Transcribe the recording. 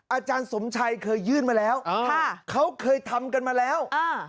อาจารย์สมชัยเคยยื่นมาแล้วเขาเคยทำกันมาแล้ว